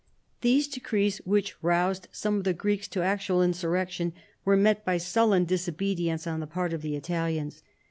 These decrees, which roused some of the Greeks to actual insurrection, were met by sullen disobedience on the part of the Italians.